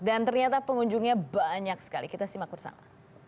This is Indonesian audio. dan ternyata pengunjungnya banyak sekali kita simak ke sana